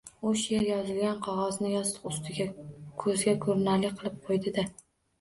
U sheʼr yozilgan qogʼozni yostiq ustiga, koʼzga koʼrinarli qilib qoʼydi-da